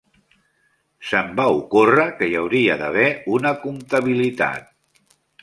Se'm va ocórrer que hi hauria d'haver una comptabilitat.